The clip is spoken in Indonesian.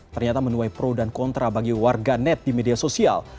ternyata menuai pro dan kontra bagi warga net di media sosial